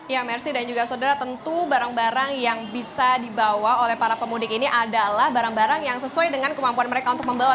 ya mercy dan juga saudara tentu barang barang yang bisa dibawa oleh para pemudik ini adalah barang barang yang sesuai dengan kemampuan mereka untuk membawa